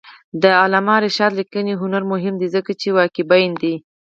د علامه رشاد لیکنی هنر مهم دی ځکه چې واقعبین دی.